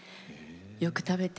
「よく食べて」